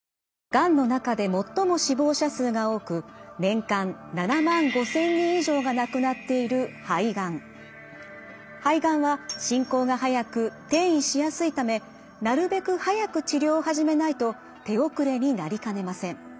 がんの中で最も死亡者数が多く年間７万５，０００人以上が亡くなっている肺がんは進行が速く転移しやすいためなるべく早く治療を始めないと手遅れになりかねません。